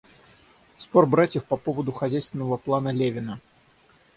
Спор братьев по поводу хозяйственного плана Левина.